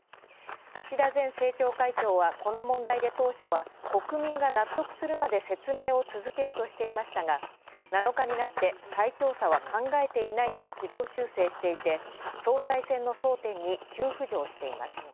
岸田前政調会長は、この問題で当初は「国民が納得するまで説明を続ける」としていましたが、７日になって「再調査は考えていない」と軌道修正していて総裁選の争点に急浮上しています。